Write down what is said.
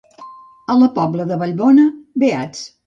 A la Pobla de Vallbona, beats.